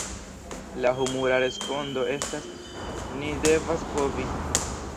La humura respondo estas "Ni devas povi!